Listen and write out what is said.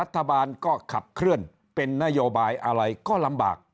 รัฐบาลก็ขับเคลื่อนเป็นนโยบายอะไรก็ลำบาก